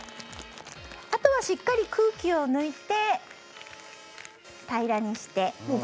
あとはしっかり空気を抜いて平らにして。